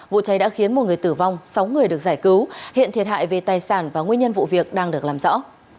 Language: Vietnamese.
vụ cháy đã khiến một người tử vong sáu người được giải cứu hiện thiệt hại về tài sản và nguyên nhân vụ việc đang được làm rõ